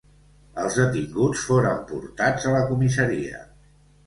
Els detinguts foren portats a la comissaria.